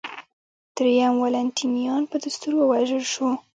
درېیم والنټینیان په دستور ووژل شو